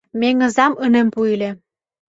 Меҥызам ынем пу ыле?